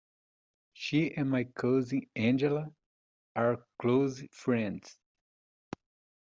She and my Cousin Angela are close friends.